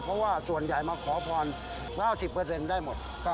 เพราะว่าส่วนใหญ่มาขอพร๙๐เปอร์เซ็นต์ได้หมด